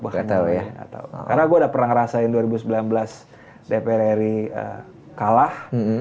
karena gue udah pernah ngerasain dua ribu sembilan belas dpr ri kalah